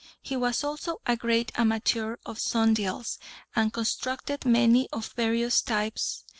He was also a great amateur of sundials, and constructed many of various types.